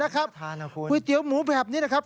ก๋วยเตี๋ยวหมูแบบนี้นะครับ